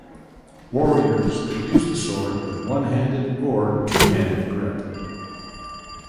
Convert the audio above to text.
Warriors could use the sword with a one-handed or two-handed grip.